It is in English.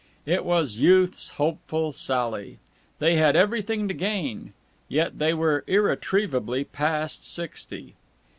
It was youth's hopeful sally. They had everything to gain. Yet they were irretrievably past sixty.